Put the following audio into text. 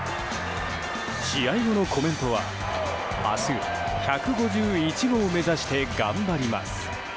試合後のコメントは、明日１５１号目指して頑張ります。